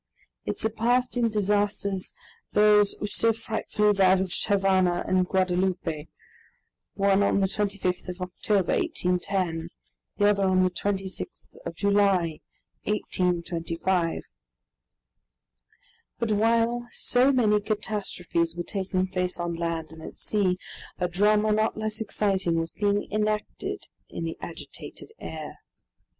It surpassed in disasters those which so frightfully ravaged Havana and Guadalupe, one on the 25th of October, 1810, the other on the 26th of July, 1825. But while so many catastrophes were taking place on land and at sea, a drama not less exciting was being enacted in the agitated air.